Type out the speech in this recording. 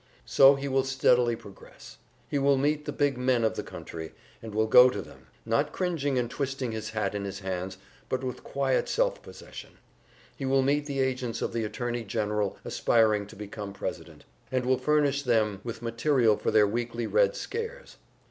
So he will steadily progress; he will meet the big men of the country, and will go to them, not cringing and twisting his hat in his hands, but with quiet self possession. He will meet the agents of the Attorney General aspiring to become President, and will furnish them with material for their weekly Red scares.